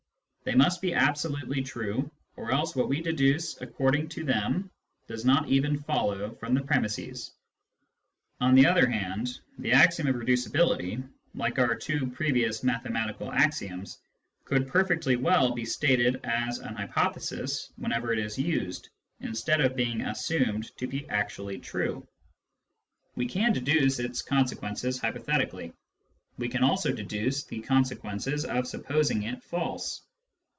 They must be absolutely true, or else what we deduce according to them does not even follow from the premisses. On the other hand, the axiom of reducibility, like our two previous mathematical axioms, could perfectly well be stated as an hypothesis whenever it is used, instead of being assumed to be actually true. We can deduce 192 Introduction to Mathematical Philosophy its consequences hypothetically ; we can also .deduce the con sequences of supposing it false.